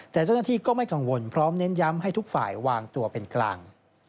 แต่เจ้าหน้าที่ก็ไม่กังวลพร้อมเน้นย้ำให้ทุกฝ่ายวางตัวเป็นกลาง